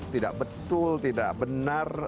tidak betul tidak benar